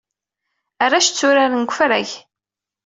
Arrac tturaren deg ufrag.